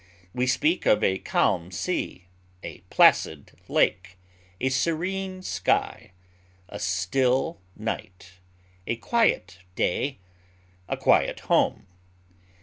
We speak of a calm sea, a placid lake, a serene sky, a still night, a quiet day, a quiet home.